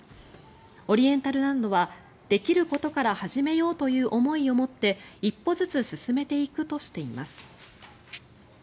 オリエンタルランドはできることから始めようという思いを持って一歩ずつ進めていくとしています。